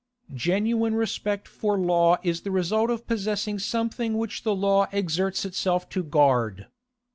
Genuine respect for law is the result of possessing something which the law exerts itself to guard.